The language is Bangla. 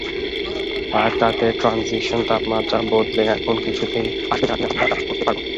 আর তাতে ট্রানজিশন তাপমাত্রা বদলে এমন কিছুতে আসবে যা নিয়ে আমরা কাজ করতে পারব।